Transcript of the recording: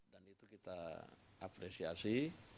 dan itu kita apresiasi